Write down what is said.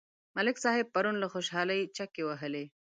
ملک صاحب پرون له خوشحالۍ چکې وهلې.